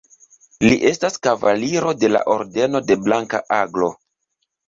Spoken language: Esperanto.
Li estas Kavaliro de la Ordeno de Blanka Aglo.